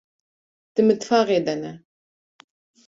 Di mitbaxê de ne.